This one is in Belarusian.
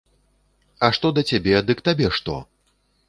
А што да цябе, дык табе што?